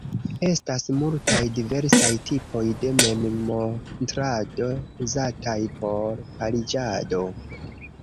Estas multaj diversaj tipoj de memmontrado uzataj por pariĝado.